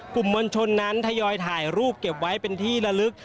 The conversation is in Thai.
กลุ่มมวลชนนั้นทยอยถ่ายรูปเก็บไว้เป็นที่ละลึก